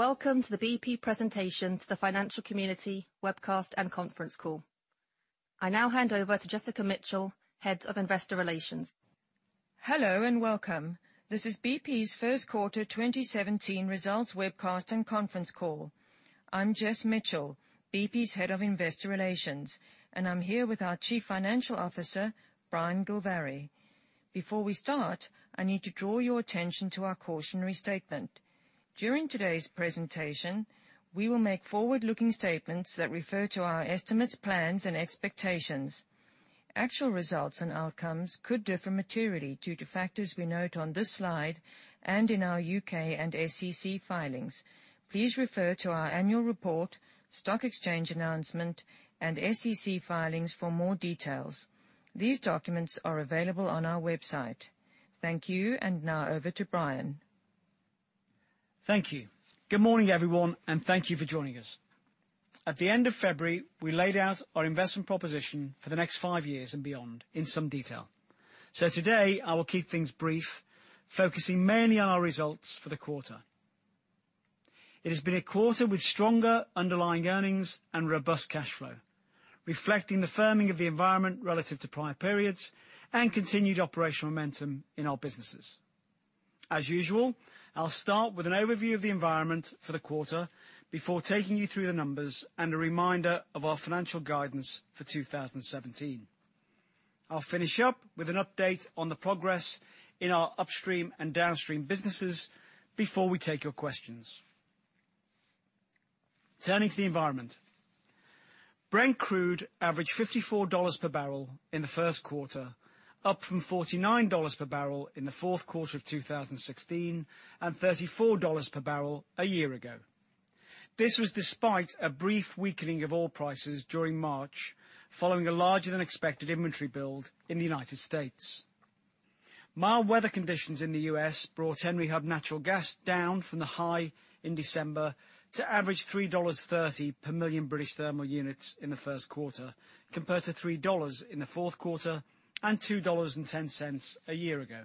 Welcome to the BP presentation to the financial community webcast and conference call. I now hand over to Jessica Mitchell, Head of Investor Relations. Hello. Welcome. This is BP's first quarter 2017 results webcast and conference call. I'm Jess Mitchell, BP's Head of Investor Relations, and I'm here with our Chief Financial Officer, Brian Gilvary. Before we start, I need to draw your attention to our cautionary statement. During today's presentation, we will make forward-looking statements that refer to our estimates, plans, and expectations. Actual results and outcomes could differ materially due to factors we note on this slide and in our U.K. and SEC filings. Please refer to our annual report, stock exchange announcement, and SEC filings for more details. These documents are available on our website. Thank you. Now over to Brian. Thank you. Good morning, everyone. Thank you for joining us. At the end of February, we laid out our investment proposition for the next five years and beyond in some detail. Today, I will keep things brief, focusing mainly on our results for the quarter. It has been a quarter with stronger underlying earnings and robust cash flow, reflecting the firming of the environment relative to prior periods and continued operational momentum in our businesses. As usual, I'll start with an overview of the environment for the quarter before taking you through the numbers and a reminder of our financial guidance for 2017. I'll finish up with an update on the progress in our Upstream and Downstream businesses before we take your questions. Turning to the environment. Brent crude averaged $54 per barrel in the first quarter, up from $49 per barrel in the fourth quarter of 2016, $34 per barrel a year ago. This was despite a brief weakening of oil prices during March, following a larger-than-expected inventory build in the United States. Mild weather conditions in the U.S. brought Henry Hub natural gas down from the high in December to average $3.30 per million British thermal units in the first quarter, compared to $3 in the fourth quarter and $2.10 a year ago.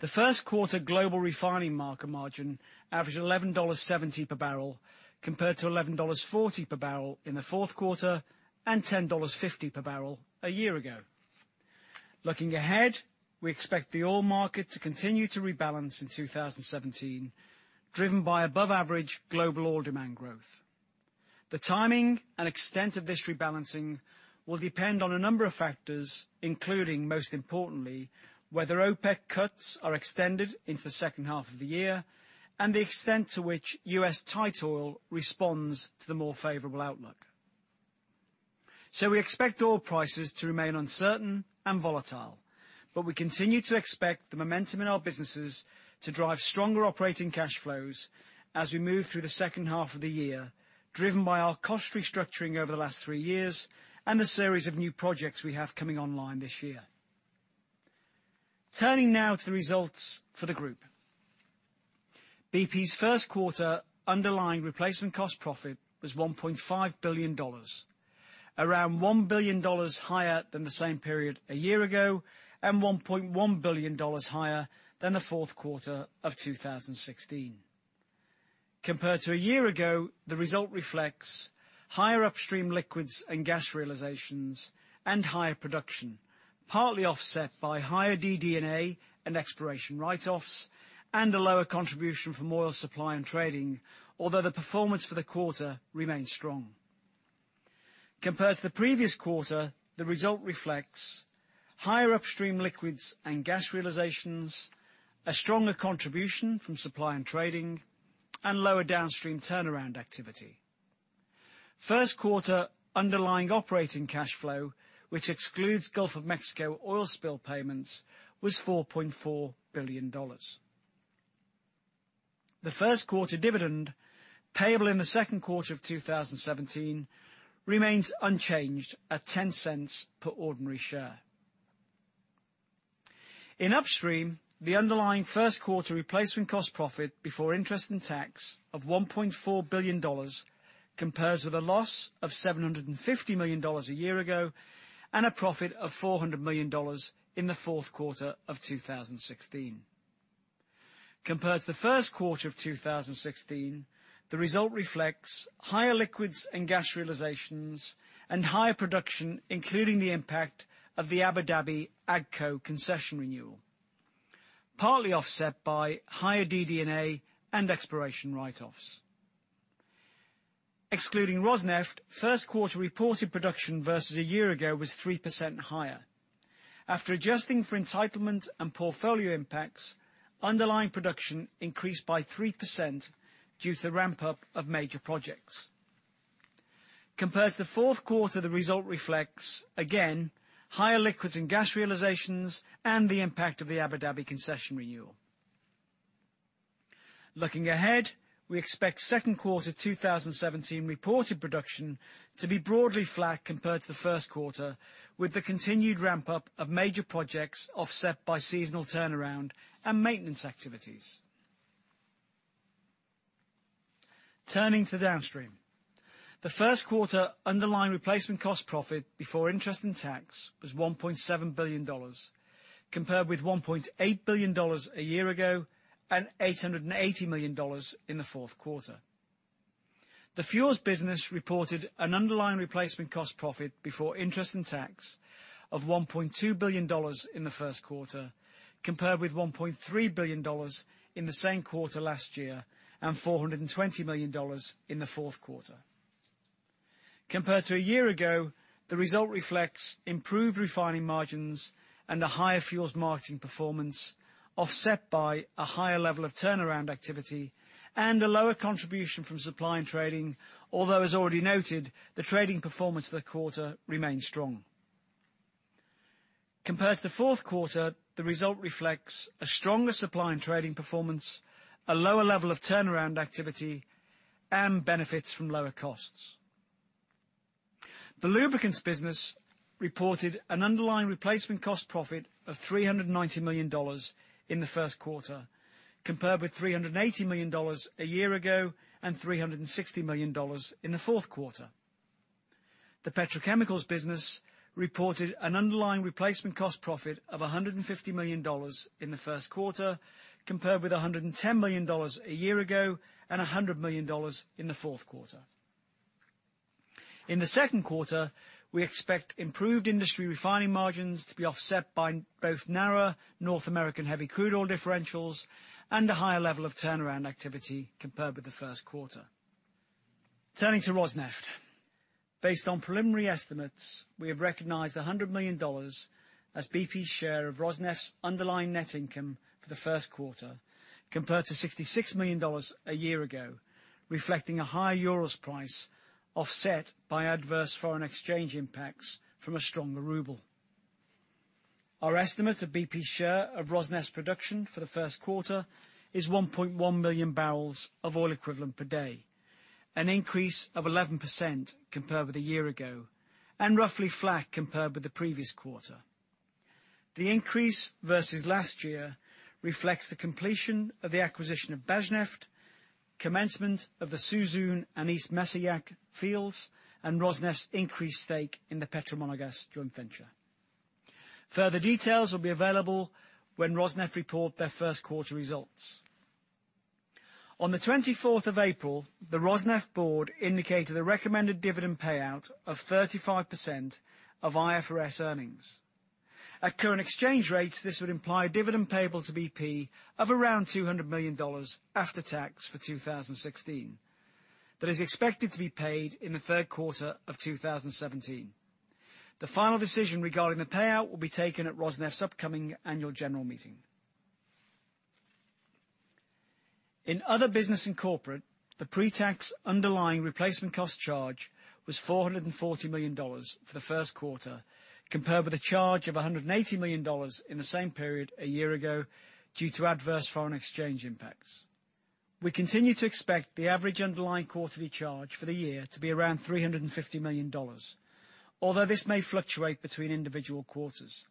The first quarter global refining market margin averaged $11.70 per barrel compared to $11.40 per barrel in the fourth quarter, $10.50 per barrel a year ago. Looking ahead, we expect the oil market to continue to rebalance in 2017, driven by above-average global oil demand growth. The timing and extent of this rebalancing will depend on a number of factors, including, most importantly, whether OPEC cuts are extended into the second half of the year and the extent to which U.S. tight oil responds to the more favorable outlook. We expect oil prices to remain uncertain and volatile. We continue to expect the momentum in our businesses to drive stronger operating cash flows as we move through the second half of the year, driven by our cost restructuring over the last three years and the series of new projects we have coming online this year. Turning now to the results for the group. BP's first quarter underlying replacement cost profit was $1.5 billion, around $1 billion higher than the same period a year ago and $1.1 billion higher than the fourth quarter of 2016. Compared to a year ago, the result reflects higher upstream liquids and gas realizations and higher production, partly offset by higher DD&A and exploration write-offs and a lower contribution from oil supply and trading. Although the performance for the quarter remains strong. Compared to the previous quarter, the result reflects higher upstream liquids and gas realizations, a stronger contribution from supply and trading, and lower downstream turnaround activity. First quarter underlying operating cash flow, which excludes Gulf of Mexico oil spill payments, was $4.4 billion. The first-quarter dividend, payable in the second quarter of 2017, remains unchanged at $0.10 per ordinary share. In upstream, the underlying first-quarter replacement cost profit before interest and tax of $1.4 billion compares with a loss of $750 million a year ago and a profit of $400 million in the fourth quarter of 2016. Compared to the first quarter of 2016, the result reflects higher liquids and gas realizations and higher production, including the impact of the Abu Dhabi ADCO concession renewal, partly offset by higher DD&A and exploration write-offs. Excluding Rosneft, first-quarter reported production versus a year ago was 3% higher. After adjusting for entitlement and portfolio impacts, underlying production increased by 3% due to the ramp-up of major projects. Compared to the fourth quarter, the result reflects, again, higher liquids and gas realizations and the impact of the Abu Dhabi concession renewal. Looking ahead, we expect second quarter 2017 reported production to be broadly flat compared to the first quarter, with the continued ramp-up of major projects offset by seasonal turnaround and maintenance activities. Turning to Downstream. The first quarter underlying replacement cost profit before interest and tax was $1.7 billion, compared with $1.8 billion a year ago and $880 million in the fourth quarter. The fuels business reported an underlying replacement cost profit before interest and tax of $1.2 billion in the first quarter, compared with $1.3 billion in the same quarter last year and $420 million in the fourth quarter. Compared to a year ago, the result reflects improved refining margins and a higher fuels marketing performance, offset by a higher level of turnaround activity and a lower contribution from supply and trading. Although, as already noted, the trading performance for the quarter remained strong. Compared to the fourth quarter, the result reflects a stronger supply and trading performance, a lower level of turnaround activity, and benefits from lower costs. The lubricants business reported an underlying replacement cost profit of $390 million in the first quarter, compared with $380 million a year ago and $360 million in the fourth quarter. The petrochemicals business reported an underlying replacement cost profit of $150 million in the first quarter, compared with $110 million a year ago and $100 million in the fourth quarter. In the second quarter, we expect improved industry refining margins to be offset by both narrower North American heavy crude oil differentials and a higher level of turnaround activity compared with the first quarter. Turning to Rosneft. Based on preliminary estimates, we have recognized $100 million as BP's share of Rosneft's underlying net income for the first quarter, compared to $66 million a year ago, reflecting a higher Urals price, offset by adverse foreign exchange impacts from a stronger ruble. Our estimate of BP's share of Rosneft's production for the first quarter is 1.1 million barrels of oil equivalent per day, an increase of 11% compared with a year ago, and roughly flat compared with the previous quarter. The increase versus last year reflects the completion of the acquisition of Bashneft, commencement of the Suzun and East Messoyakha fields, and Rosneft's increased stake in the Petromonagas joint venture. Further details will be available when Rosneft report their first-quarter results. On the 24th of April, the Rosneft board indicated a recommended dividend payout of 35% of IFRS earnings. At current exchange rates, this would imply a dividend payable to BP of around $200 million after tax for 2016. That is expected to be paid in the third quarter of 2017. The final decision regarding the payout will be taken at Rosneft's upcoming annual general meeting. In other business and corporate, the pre-tax underlying replacement cost charge was $440 million for the first quarter, compared with a charge of $180 million in the same period a year ago due to adverse foreign exchange impacts. We continue to expect the average underlying quarterly charge for the year to be around $350 million, although this may fluctuate between individual quarters.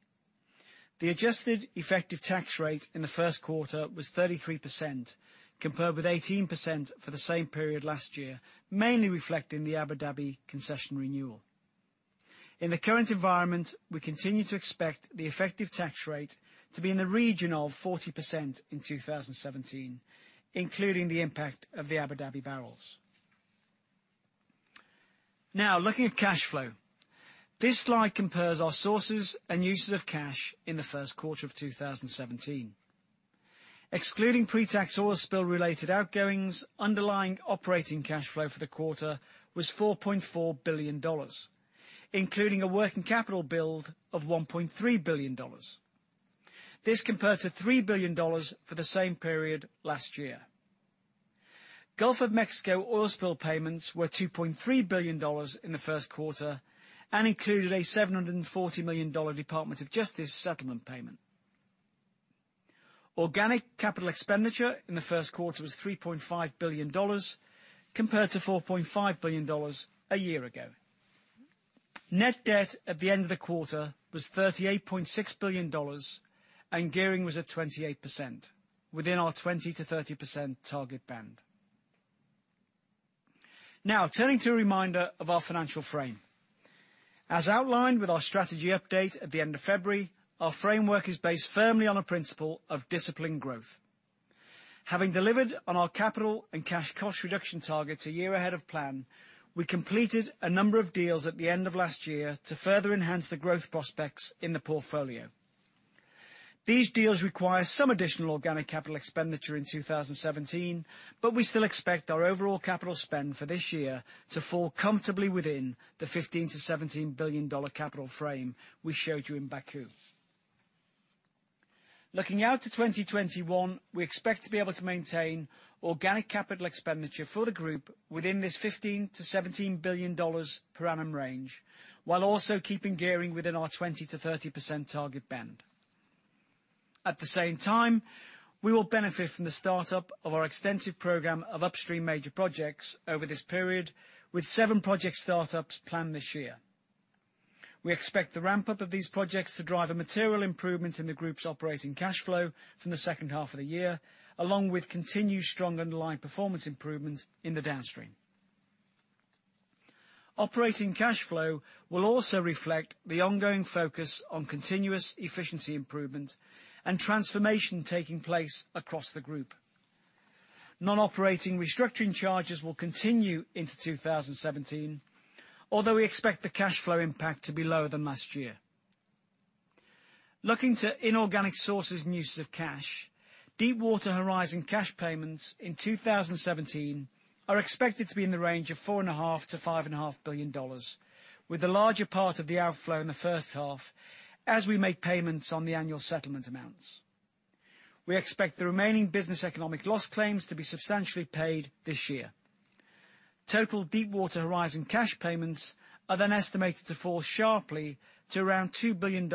The adjusted effective tax rate in the first quarter was 33%, compared with 18% for the same period last year, mainly reflecting the Abu Dhabi concession renewal. In the current environment, we continue to expect the effective tax rate to be in the region of 40% in 2017, including the impact of the Abu Dhabi barrels. Now, looking at cash flow. This slide compares our sources and uses of cash in the first quarter of 2017. Excluding pre-tax oil spill related outgoings, underlying operating cash flow for the quarter was $4.4 billion, including a working capital build of $1.3 billion. This compared to $3 billion for the same period last year. Gulf of Mexico oil spill payments were $2.3 billion in the first quarter and included a $740 million Department of Justice settlement payment. Organic capital expenditure in the first quarter was $3.5 billion, compared to $4.5 billion a year ago. Net debt at the end of the quarter was $38.6 billion, and gearing was at 28%, within our 20%-30% target band. Now, turning to a reminder of our financial frame. As outlined with our strategy update at the end of February, our framework is based firmly on a principle of disciplined growth. Having delivered on our capital and cash cost reduction targets a year ahead of plan, we completed a number of deals at the end of last year to further enhance the growth prospects in the portfolio. These deals require some additional organic capital expenditure in 2017, but we still expect our overall capital spend for this year to fall comfortably within the $15 billion-$17 billion capital frame we showed you in Baku. Looking out to 2021, we expect to be able to maintain organic capital expenditure for the group within this $15 billion-$17 billion per annum range, while also keeping gearing within our 20%-30% target band. At the same time, we will benefit from the startup of our extensive program of upstream major projects over this period with seven project startups planned this year. We expect the ramp-up of these projects to drive a material improvement in the group's operating cash flow from the second half of the year, along with continued strong underlying performance improvement in the downstream. Operating cash flow will also reflect the ongoing focus on continuous efficiency improvement and transformation taking place across the group. Non-operating restructuring charges will continue into 2017, although we expect the cash flow impact to be lower than last year. Looking to inorganic sources and uses of cash, Deepwater Horizon cash payments in 2017 are expected to be in the range of $4.5 billion-$5.5 billion, with the larger part of the outflow in the first half as we make payments on the annual settlement amounts. We expect the remaining business economic loss claims to be substantially paid this year. Total Deepwater Horizon cash payments are estimated to fall sharply to around $2 billion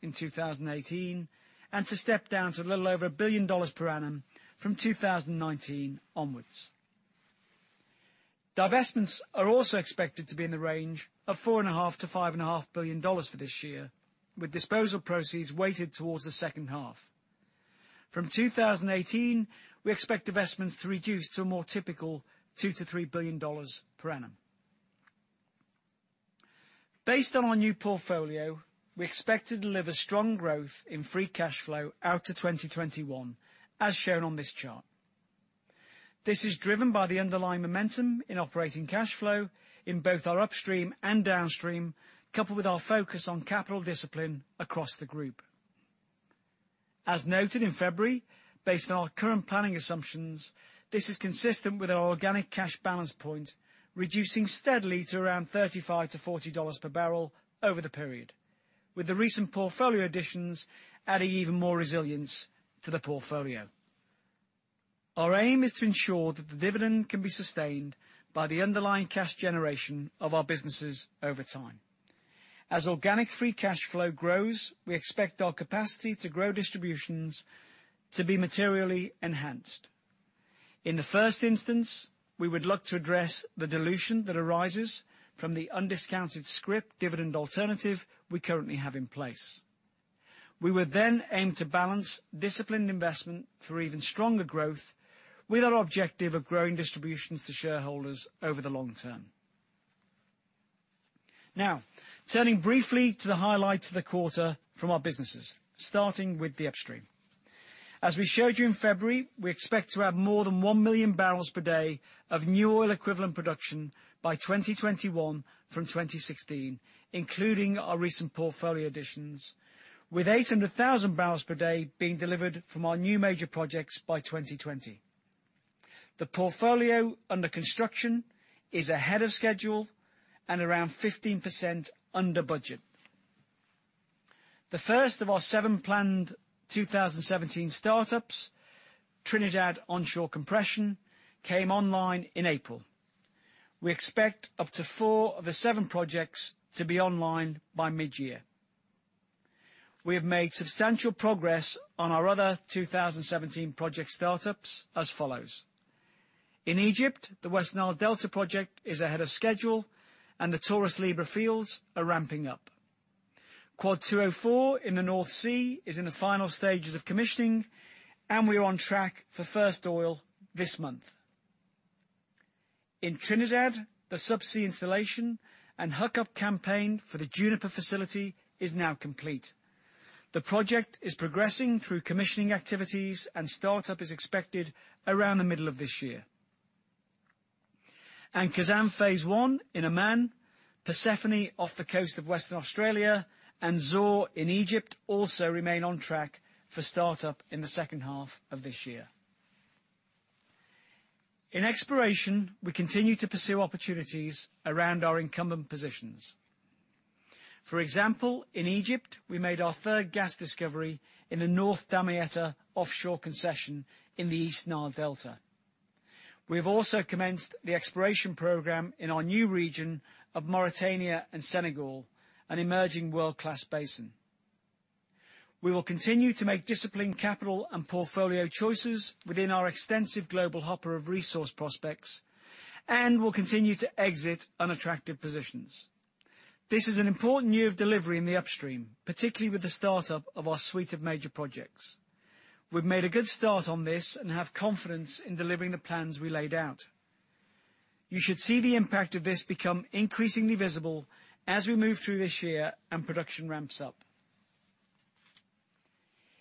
in 2018 and to step down to a little over $1 billion per annum from 2019 onwards. Divestments are also expected to be in the range of $4.5 billion-$5.5 billion for this year, with disposal proceeds weighted towards the second half. From 2018, we expect divestments to reduce to a more typical $2 billion-$3 billion per annum. Based on our new portfolio, we expect to deliver strong growth in free cash flow out to 2021, as shown on this chart. This is driven by the underlying momentum in operating cash flow in both our upstream and downstream, coupled with our focus on capital discipline across the group. As noted in February, based on our current planning assumptions, this is consistent with our organic cash balance point reducing steadily to around $35-$40 per barrel over the period, with the recent portfolio additions adding even more resilience to the portfolio. Our aim is to ensure that the dividend can be sustained by the underlying cash generation of our businesses over time. As organic free cash flow grows, we expect our capacity to grow distributions to be materially enhanced. In the first instance, we would look to address the dilution that arises from the undiscounted scrip dividend alternative we currently have in place. We would then aim to balance disciplined investment for even stronger growth with our objective of growing distributions to shareholders over the long term. Turning briefly to the highlights of the quarter from our businesses, starting with the upstream. As we showed you in February, we expect to add more than 1 million barrels per day of new oil equivalent production by 2021 from 2016, including our recent portfolio additions, with 800,000 barrels per day being delivered from our new major projects by 2020. The portfolio under construction is ahead of schedule and around 15% under budget. The first of our seven planned 2017 startups, Trinidad Onshore Compression, came online in April. We expect up to four of the seven projects to be online by mid-year. We have made substantial progress on our other 2017 project startups as follows. In Egypt, the West Nile Delta project is ahead of schedule, and the Taurus Libra fields are ramping up. Quad 204 in the North Sea is in the final stages of commissioning, and we are on track for first oil this month. In Trinidad, the sub-sea installation and hookup campaign for the Juniper facility is now complete. The project is progressing through commissioning activities, and startup is expected around the middle of this year. Khazzan Phase One in Oman, Persephone off the coast of Western Australia, and Zohr in Egypt also remain on track for startup in the second half of this year. In exploration, we continue to pursue opportunities around our incumbent positions. For example, in Egypt, we made our third gas discovery in the North Damietta offshore concession in the East Nile Delta. We have also commenced the exploration program in our new region of Mauritania and Senegal, an emerging world-class basin. We will continue to make disciplined capital and portfolio choices within our extensive global hopper of resource prospects, and we'll continue to exit unattractive positions. This is an important year of delivery in the upstream, particularly with the startup of our suite of major projects. We've made a good start on this and have confidence in delivering the plans we laid out. You should see the impact of this become increasingly visible as we move through this year and production ramps up.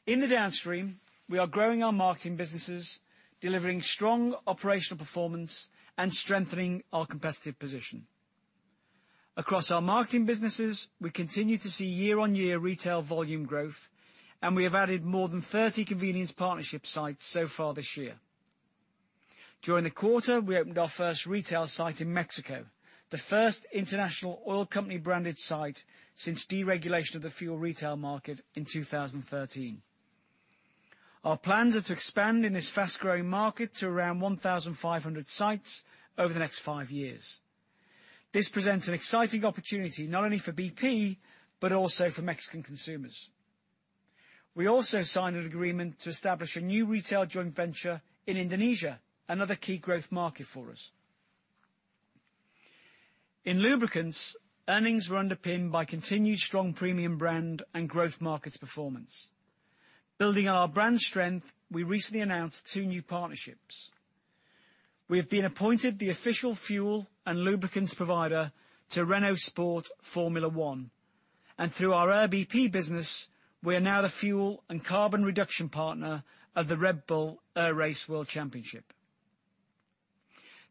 In the downstream, we are growing our marketing businesses, delivering strong operational performance, and strengthening our competitive position. Across our marketing businesses, we continue to see year-on-year retail volume growth, and we have added more than 30 convenience partnership sites so far this year. During the quarter, we opened our first retail site in Mexico, the first international oil company-branded site since deregulation of the fuel retail market in 2013. Our plans are to expand in this fast-growing market to around 1,500 sites over the next five years. This presents an exciting opportunity not only for BP, but also for Mexican consumers. We also signed an agreement to establish a new retail joint venture in Indonesia, another key growth market for us. In lubricants, earnings were underpinned by continued strong premium brand and growth markets performance. Building on our brand strength, we recently announced two new partnerships. We have been appointed the official fuel and lubricants provider to Renault Sport Formula One, and through our Air BP business, we are now the fuel and carbon reduction partner of the Red Bull Air Race World Championship.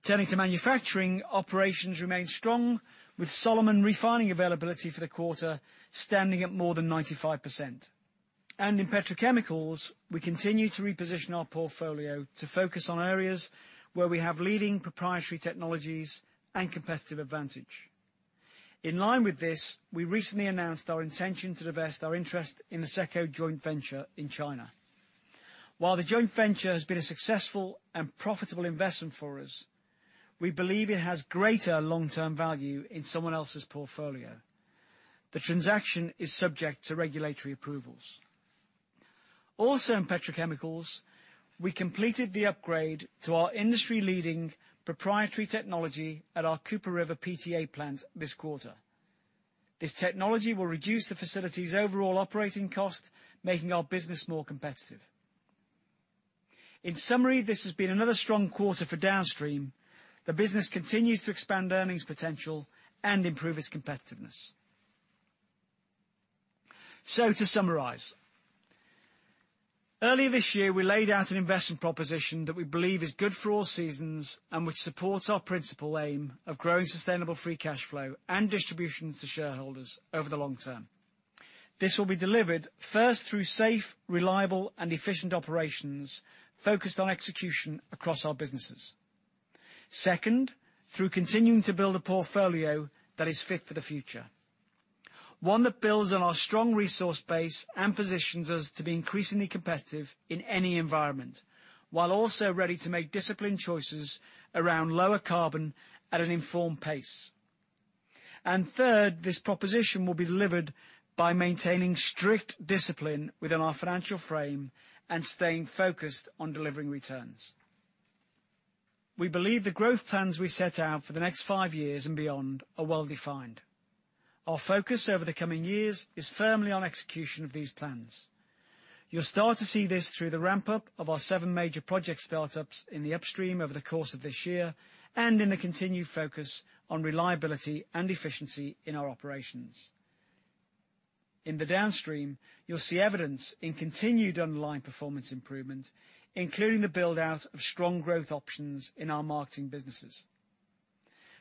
Turning to manufacturing, operations remained strong with Solomon refining availability for the quarter standing at more than 95%. In petrochemicals, we continue to reposition our portfolio to focus on areas where we have leading proprietary technologies and competitive advantage. In line with this, we recently announced our intention to divest our interest in the SECCO joint venture in China. While the joint venture has been a successful and profitable investment for us, we believe it has greater long-term value in someone else's portfolio. The transaction is subject to regulatory approvals. Also, in petrochemicals, we completed the upgrade to our industry-leading proprietary technology at our Cooper River PTA plant this quarter. This technology will reduce the facility's overall operating cost, making our business more competitive. In summary, this has been another strong quarter for Downstream. The business continues to expand earnings potential and improve its competitiveness. To summarize, early this year, we laid out an investment proposition that we believe is good for all seasons and which supports our principal aim of growing sustainable free cash flow and distributions to shareholders over the long term. This will be delivered first through safe, reliable, and efficient operations focused on execution across our businesses. Second, through continuing to build a portfolio that is fit for the future. One that builds on our strong resource base and positions us to be increasingly competitive in any environment, while also ready to make disciplined choices around lower carbon at an informed pace. Third, this proposition will be delivered by maintaining strict discipline within our financial frame and staying focused on delivering returns. We believe the growth plans we set out for the next five years and beyond are well-defined. Our focus over the coming years is firmly on execution of these plans. You'll start to see this through the ramp-up of our seven major project startups in the Upstream over the course of this year, and in the continued focus on reliability and efficiency in our operations. In the Downstream, you'll see evidence in continued underlying performance improvement, including the build-out of strong growth options in our marketing businesses.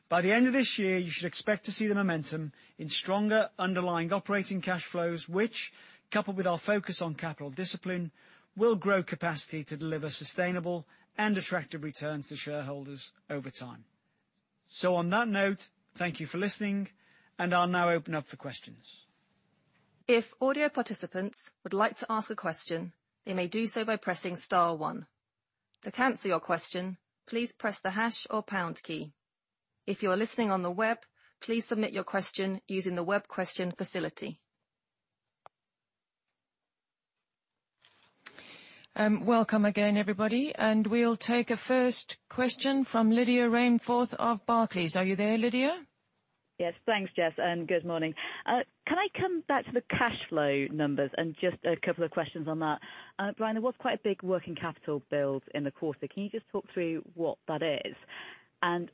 By the end of this year, you should expect to see the momentum in stronger underlying operating cash flows, which, coupled with our focus on capital discipline, will grow capacity to deliver sustainable and attractive returns to shareholders over time. On that note, thank you for listening, and I'll now open up for questions. If audio participants would like to ask a question, they may do so by pressing star one. To cancel your question, please press the hash or pound key. If you are listening on the web, please submit your question using the web question facility. Welcome again, everybody, and we'll take a first question from Lydia Rainforth of Barclays. Are you there, Lydia? Yes, thanks, Jess, and good morning. Can I come back to the cash flow numbers and just a couple of questions on that. Brian, there was quite a big working capital build in the quarter. Can you just talk through what that is?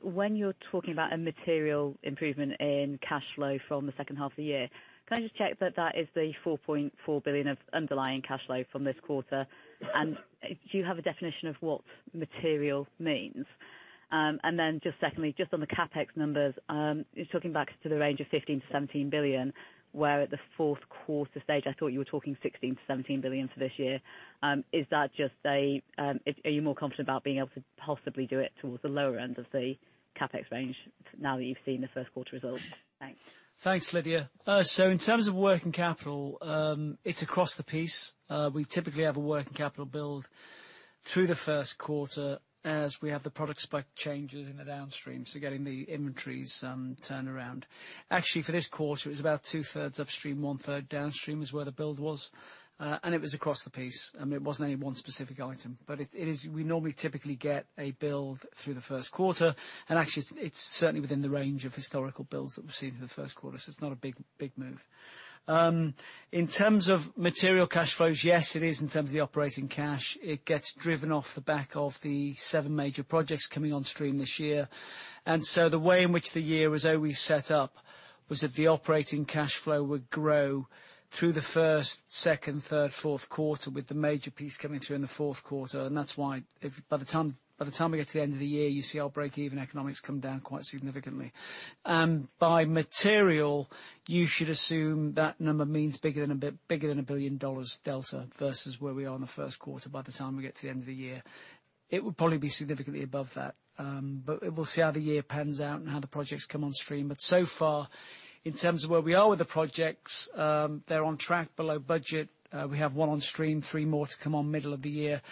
When you're talking about a material improvement in cash flow from the second half of the year, can I just check that that is the $4.4 billion of underlying cash flow from this quarter? Do you have a definition of what material means? Secondly, just on the CapEx numbers, it's talking back to the range of $15 billion-$17 billion, where at the fourth quarter stage I thought you were talking $16 billion-$17 billion for this year. Are you more confident about being able to possibly do it towards the lower end of the CapEx range now that you've seen the first quarter results? Thanks. Thanks, Lydia. In terms of working capital, it's across the piece. We typically have a working capital build through the first quarter as we have the product spec changes in the Downstream, so getting the inventories turnaround. Actually, for this quarter, it was about two-thirds Upstream, one-third Downstream is where the build was. It was across the piece. I mean, it wasn't any one specific item. We normally typically get a build through the first quarter, and actually, it's certainly within the range of historical builds that we've seen in the first quarter, so it's not a big move. In terms of material cash flows, yes, it is in terms of the operating cash. It gets driven off the back of the seven major projects coming on stream this year. The way in which the year was always set up was that the operating cash flow would grow through the first, second, third, fourth quarter, with the major piece coming through in the fourth quarter. That's why by the time we get to the end of the year, you see our breakeven economics come down quite significantly. By material, you should assume that number means bigger than $1 billion delta versus where we are in the first quarter by the time we get to the end of the year. It would probably be significantly above that. We'll see how the year pans out and how the projects come on stream. So far, in terms of where we are with the projects, they're on track below budget. We have one on stream, three more to come on middle of the year.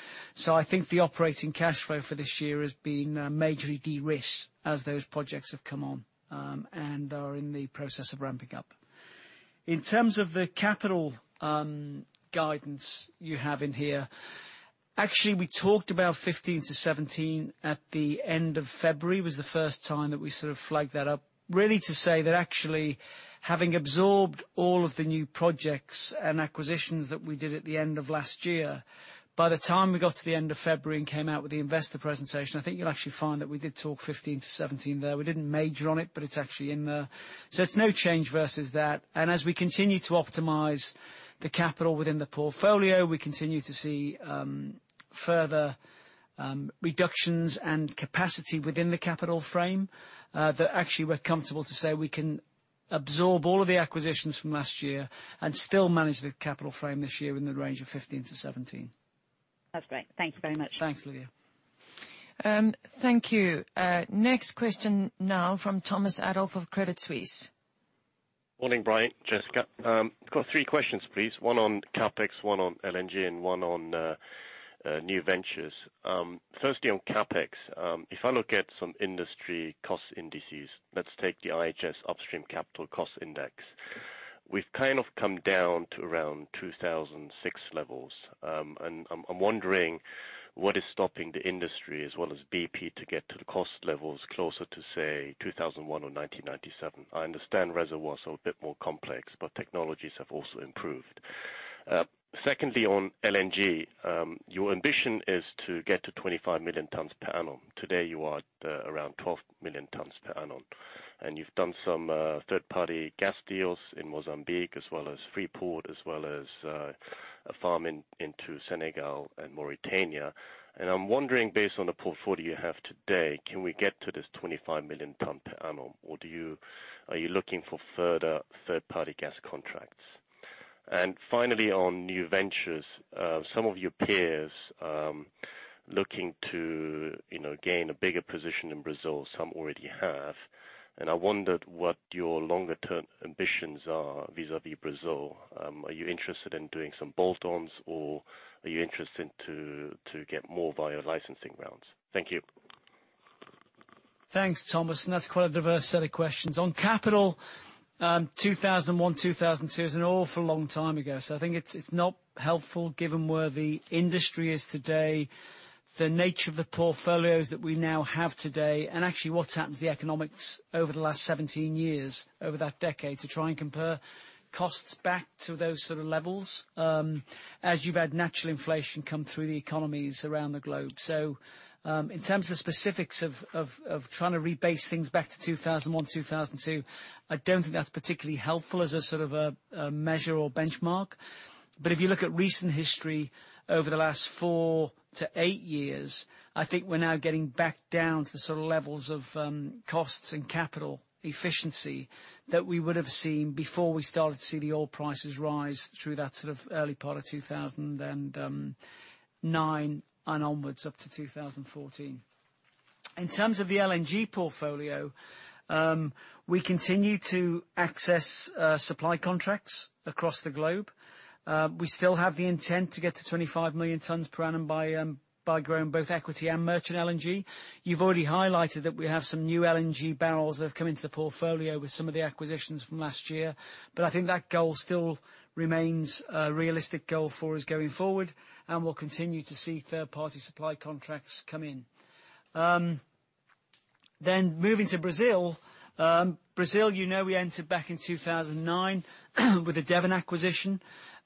I think the operating cash flow for this year has been majorly de-risked as those projects have come on and are in the process of ramping up. In terms of the capital guidance you have in here, actually, we talked about $15 billion-$17 billion at the end of February, was the first time that we sort of flagged that up, really to say that actually, having absorbed all of the new projects and acquisitions that we did at the end of last year, by the time we got to the end of February and came out with the investor presentation, I think you'll actually find that we did talk $15 billion-$17 billion there. We didn't major on it, but it's actually in there. It's no change versus that. As we continue to optimize the capital within the portfolio, we continue to see further reductions and capacity within the capital frame, that actually we're comfortable to say we can absorb all of the acquisitions from last year and still manage the capital frame this year in the range of $15 billion to $17 billion. That's great. Thank you very much. Thanks, Lydia. Thank you. Next question now from Thomas Adolff of Credit Suisse. Morning, Brian, Jessica. Got three questions, please. One on CapEx, one on LNG and one on new ventures. Firstly, on CapEx. If I look at some industry cost indices, let's take the IHS Upstream Capital Cost Index. We've kind of come down to around 2006 levels. I'm wondering what is stopping the industry as well as BP to get to the cost levels closer to, say, 2001 or 1997. I understand reservoirs are a bit more complex, but technologies have also improved. Secondly, on LNG. Your ambition is to get to 25 million tons per annum. Today you are at around 12 million tons per annum, and you've done some third-party gas deals in Mozambique as well as Freeport, as well as a farm into Senegal and Mauritania. I'm wondering, based on the portfolio you have today, can we get to this 25 million ton per annum, or are you looking for further third-party gas contracts? Finally, on new ventures. Some of your peers are looking to gain a bigger position in Brazil. Some already have. I wondered what your longer-term ambitions are vis-à-vis Brazil. Are you interested in doing some bolt-ons, or are you interested to get more via licensing rounds? Thank you. Thanks, Thomas. That's quite a diverse set of questions. On capital, 2001, 2002 is an awful long time ago. I think it's not helpful given where the industry is today, the nature of the portfolios that we now have today, and actually what's happened to the economics over the last 17 years, over that decade, to try and compare costs back to those sort of levels, as you've had natural inflation come through the economies around the globe. In terms of the specifics of trying to rebase things back to 2001, 2002, I don't think that's particularly helpful as a sort of a measure or benchmark. If you look at recent history over the last four to eight years, I think we're now getting back down to the sort of levels of costs and capital efficiency that we would have seen before we started to see the oil prices rise through that sort of early part of 2009 and onwards up to 2014. In terms of the LNG portfolio, we continue to access supply contracts across the globe. We still have the intent to get to 25 million tons per annum by growing both equity and merchant LNG. You've already highlighted that we have some new LNG barrels that have come into the portfolio with some of the acquisitions from last year, but I think that goal still remains a realistic goal for us going forward, and we'll continue to see third-party supply contracts come in. Moving to Brazil. Brazil, you know we entered back in 2009 with the Devon acquisition.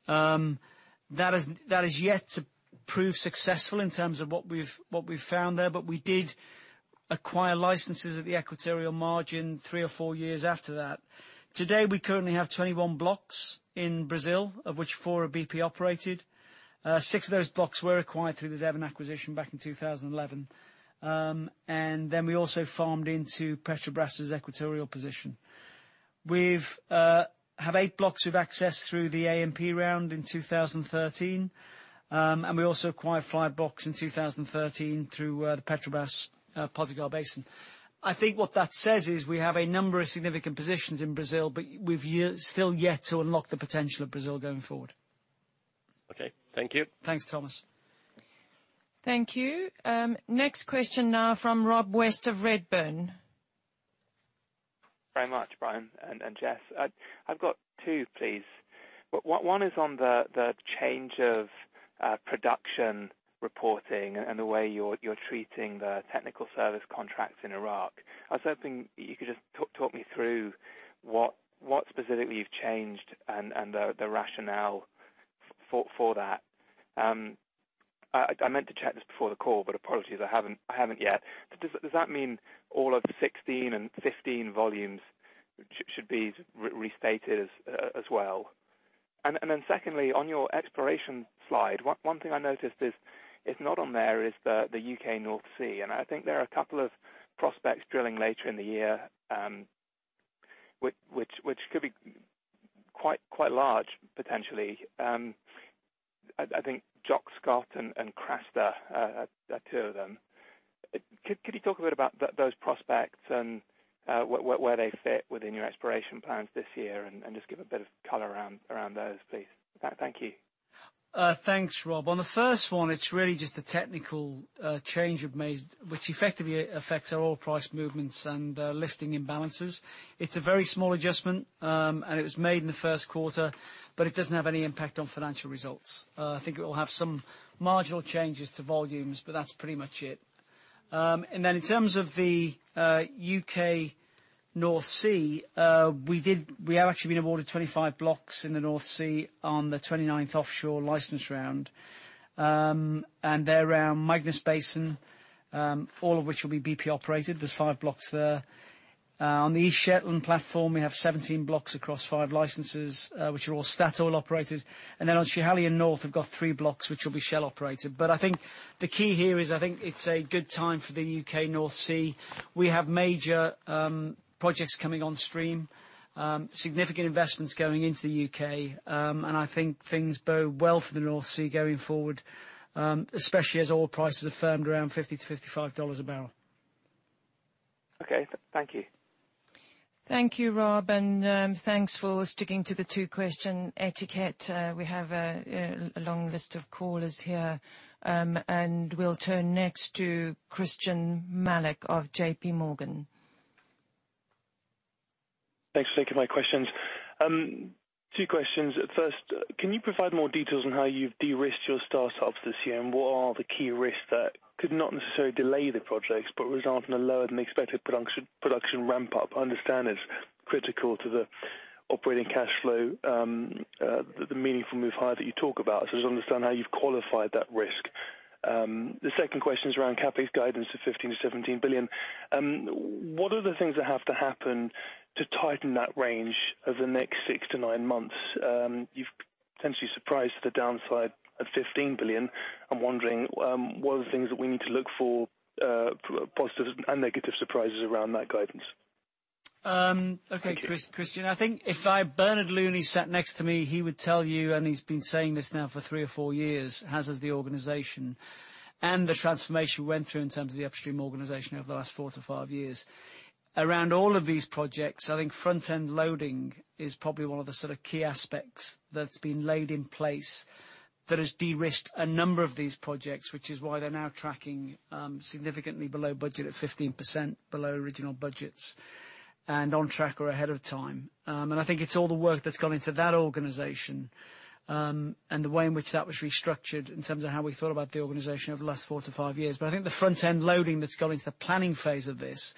That is yet to prove successful in terms of what we've found there. We did acquire licenses at the equatorial margin three or four years after that. Today, we currently have 21 blocks in Brazil, of which four are BP operated. Six of those blocks were acquired through the Devon acquisition back in 2011. We also farmed into Petrobras' equatorial position. We have eight blocks we've accessed through the ANP round in 2013. We also acquired five blocks in 2013 through the Petrobras Potiguar Basin. I think what that says is we have a number of significant positions in Brazil, but we've still yet to unlock the potential of Brazil going forward. Okay. Thank you. Thanks, Thomas. Thank you. Next question now from Rob West of Redburn. Very much, Brian and Jess. I've got two, please. One is on the change of production reporting and the way you're treating the technical service contracts in Iraq. I was hoping you could just talk me through what specifically you've changed and the rationale for that. I meant to check this before the call, but apologies, I haven't yet. Does that mean all of the 2016 and 2015 volumes should be restated as well? Secondly, on your exploration slide, one thing I noticed is not on there is the U.K. North Sea, and I think there are a couple of prospects drilling later in the year, which could be quite large potentially. I think Jock Scott and Craster are two of them. Could you talk a bit about those prospects and where they fit within your exploration plans this year? Just give a bit of color around those, please. Thank you. Thanks, Rob. On the first one, it's really just a technical change we've made, which effectively affects our oil price movements and lifting imbalances. It's a very small adjustment, and it was made in the first quarter, but it doesn't have any impact on financial results. I think it will have some marginal changes to volumes, but that's pretty much it. In terms of the U.K. North Sea, we have actually been awarded 25 blocks in the North Sea on the 29th offshore license round. They're around Magnus Basin, all of which will be BP operated. There's five blocks there. On the East Shetland Platform, we have 17 blocks across five licenses, which are all Statoil operated. On Schiehallion North, we've got three blocks which will be Shell operated. I think the key here is, I think it's a good time for the U.K. North Sea. We have major projects coming on stream, significant investments going into the U.K. I think things bode well for the North Sea going forward, especially as oil prices have firmed around $50-$55 a barrel. Okay. Thank you. Thank you, Rob, and thanks for sticking to the two-question etiquette. We have a long list of callers here. We'll turn next to Christyan Malek of JPMorgan. Thanks for taking my questions. Two questions. First, can you provide more details on how you've de-risked your start-ups this year, what are the key risks that could, not necessarily delay the projects, but result in a lower than expected production ramp-up? I understand it's critical to the operating cash flow, the meaningful move higher that you talk about. I just understand how you've qualified that risk. The second question is around CapEx guidance of $15 billion-$17 billion. What are the things that have to happen to tighten that range over the next six to nine months? You've potentially surprised the downside of $15 billion. I'm wondering, what are the things that we need to look for, positive and negative surprises around that guidance? Okay, Christyan. I think if Bernard Looney sat next to me, he would tell you, and he's been saying this now for three or four years, as has the organization, and the transformation we went through in terms of the Upstream organization over the last four to five years. Around all of these projects, I think front-end loading is probably one of the key aspects that's been laid in place that has de-risked a number of these projects. Which is why they're now tracking significantly below budget at 15% below original budgets and on track or ahead of time. I think it's all the work that's gone into that organization, and the way in which that was restructured in terms of how we thought about the organization over the last four to five years. But I think the front-end loading that's gone into the planning phase of this.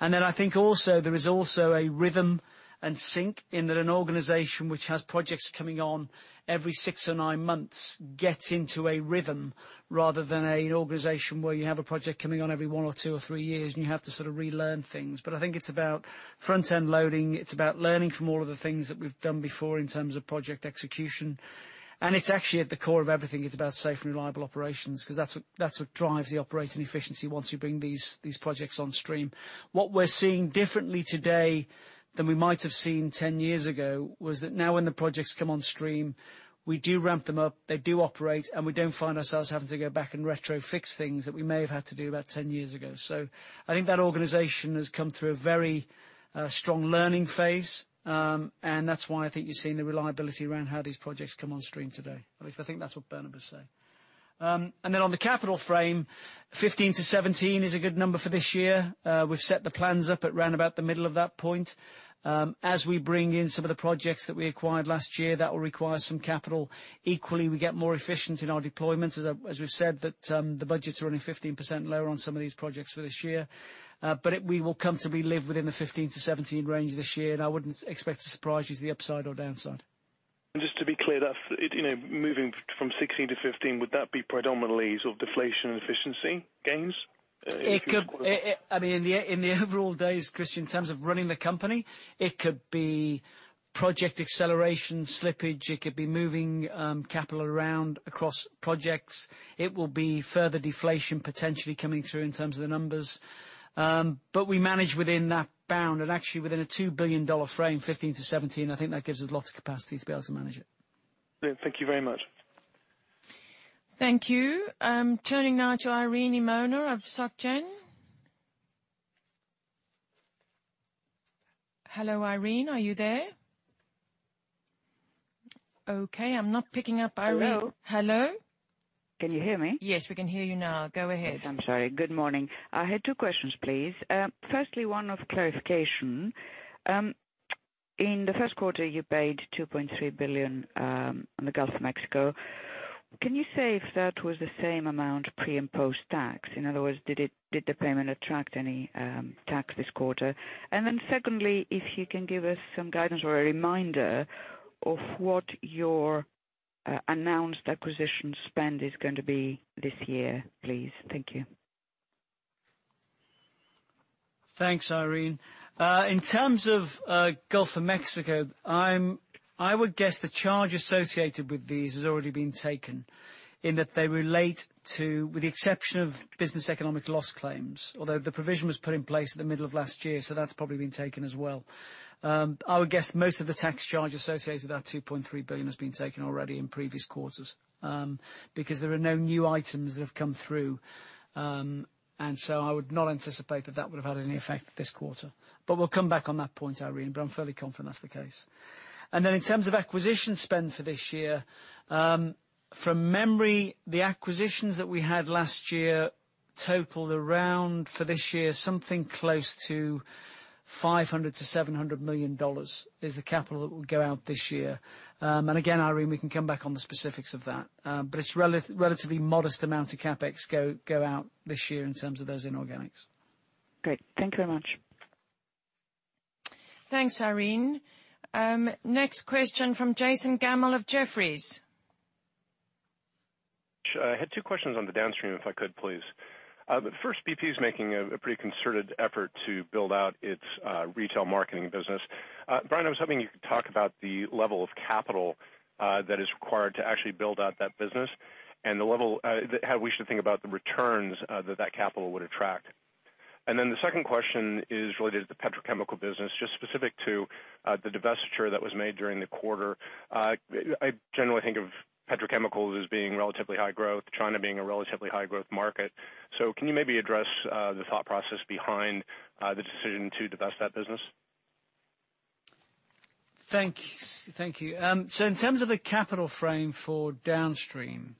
I think also, there is also a rhythm and sync in that an organization which has projects coming on every six or nine months gets into a rhythm rather than an organization where you have a project coming on every one or two or three years, and you have to relearn things. But I think it's about front-end loading. It's about learning from all of the things that we've done before in terms of project execution. It's actually at the core of everything. It's about safe and reliable operations, because that's what drives the operating efficiency once we bring these projects on stream. What we're seeing differently today than we might have seen 10 years ago, was that now when the projects come on stream, we do ramp them up, they do operate, and we don't find ourselves having to go back and retro fix things that we may have had to do about 10 years ago. I think that organization has come through a very strong learning phase. That's why I think you're seeing the reliability around how these projects come on stream today. At least I think that's what Bernard would say. On the capital frame, $15 billion-$17 billion is a good number for this year. We've set the plans up at round about the middle of that point. As we bring in some of the projects that we acquired last year, that will require some capital. Equally, we get more efficient in our deployments, as we've said that the budget's running 15% lower on some of these projects for this year. We will comfortably live within the $15 billion-$17 billion range this year, and I wouldn't expect to surprise you to the upside or downside. Just to be clear, moving from $16 billion to $15 billion, would that be predominantly deflation efficiency gains? In the overall days, Christyan, in terms of running the company, it could be project acceleration slippage, it could be moving capital around across projects. It will be further deflation potentially coming through in terms of the numbers. We manage within that bound and actually within a $2 billion frame, $15 billion-$17 billion, I think that gives us a lot of capacity to be able to manage it. Thank you very much. Thank you. Turning now to Irene Himona of SocGen. Hello, Irene, are you there? Okay, I'm not picking up Irene. Hello? Hello? Can you hear me? Yes, we can hear you now. Go ahead. Yes, I'm sorry. Good morning. I had two questions, please. Firstly, one of clarification. In the first quarter, you paid $2.3 billion on the Gulf of Mexico. Can you say if that was the same amount pre- and post-tax? In other words, did the payment attract any tax this quarter? Secondly, if you can give us some guidance or a reminder of what your announced acquisition spend is going to be this year, please. Thank you. Thanks, Irene. In terms of Gulf of Mexico, I would guess the charge associated with these has already been taken in that they relate to, with the exception of business economic loss claims. Although the provision was put in place at the middle of last year, so that's probably been taken as well. I would guess most of the tax charge associated with that $2.3 billion has been taken already in previous quarters. Because there are no new items that have come through. I would not anticipate that that would have had any effect this quarter. We'll come back on that point, Irene, but I'm fairly confident that's the case. In terms of acquisition spend for this year, from memory, the acquisitions that we had last year totaled around, for this year, something close to $500 million-$700 million is the capital that will go out this year. Again, Irene, we can come back on the specifics of that. It's a relatively modest amount of CapEx go out this year in terms of those inorganics. Great. Thank you very much. Thanks, Irene. Next question from Jason Gabelman of Jefferies. I had two questions on the downstream, if I could, please. The first, BP's making a pretty concerted effort to build out its retail marketing business. Brian, I was hoping you could talk about the level of capital that is required to actually build out that business, and how we should think about the returns that that capital would attract. The second question is related to the petrochemical business, just specific to the divestiture that was made during the quarter. I generally think of petrochemicals as being relatively high growth, China being a relatively high growth market. Can you maybe address the thought process behind the decision to divest that business? Thank you. In terms of the capital frame for Downstream,